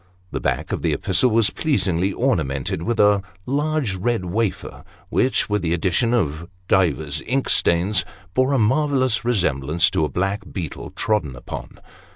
The back of the epistle was pleasingly ornamented with a large red wafer, which, with the addition of divers ink stains, bore a marvellous resemblance to a black beetle trodden upon.